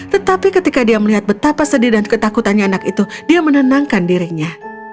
tetapi ketika dia melihat betapa sedih dan ketakutannya anak itu dia menenangkan dirinya